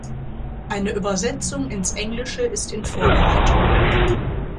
Eine Übersetzung ins Englische ist in Vorbereitung.